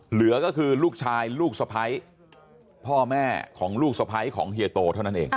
เหลือก็คือลูกชายลูกสะพ้ายพ่อแม่ของลูกสะพ้ายของเฮียโตเท่านั้นเอง